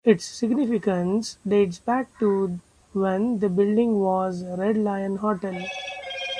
Its significance dates back to when the building was the "Red Lion Hotel".